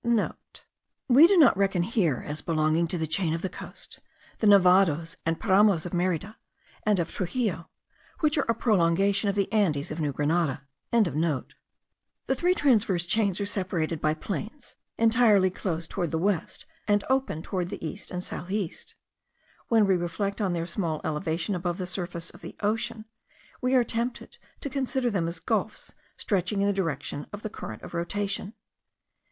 *(* We do not reckon here, as belonging to the chain of the coast, the Nevados and Paramos of Merida and of Truxillo, which are a prolongation of the Andes of New Grenada.) The three transverse chains are separated by plains entirely closed towards the west, and open towards the east and south east. When we reflect on their small elevation above the surface of the ocean, we are tempted to consider them as gulfs stretching in the direction of the current of rotation.